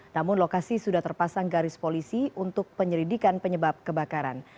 namun lokasi sudah terpasang garis polisi untuk penyelidikan penyebab kebakaran